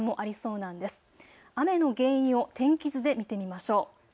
雨の原因を天気図で見てみましょう。